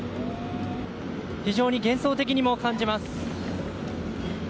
非常に幻想的にも感じます。